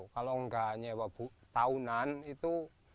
kalau nggak nyewa tahunan itu